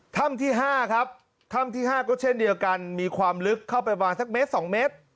ถ้ำที่๕ครับถ้ำที่๕ก็เช่นเดียวกันมีความลึกเข้าไปประมาณสักเมตร๒เมตร